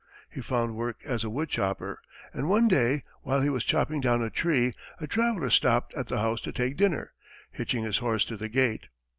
He found work as a wood chopper, and one day, while he was chopping down a tree a traveler stopped at the house to take dinner, hitching his horse to the gate.